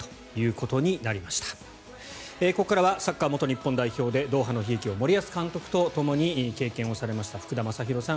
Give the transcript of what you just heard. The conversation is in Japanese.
ここからはサッカー元日本代表でドーハの悲劇を森保監督とともに経験をされました福田正博さん